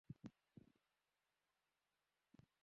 তাই আগামী বছর আরও বেশি জমিতে আনারস চাষ করার আশা করেছেন।